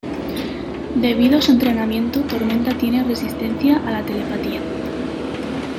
Debido a su entrenamiento, Tormenta tiene resistencia a la telepatía.